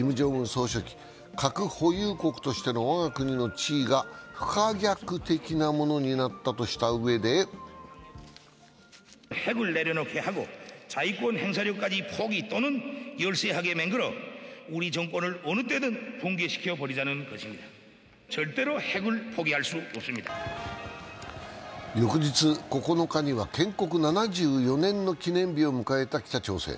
総書記、核保有国としての我が国の地位が不可逆的なものになったとしたうえで翌日９日には建国７４年の記念日を迎えた北朝鮮。